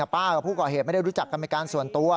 ป้ากับผู้ก่อเหตุไม่ได้รู้จักกันเป็นการส่วนตัว